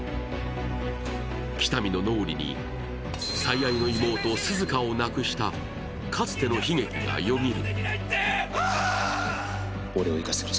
喜多見の脳裏に最愛の妹・涼香を亡くしたかつての悲劇がよぎる。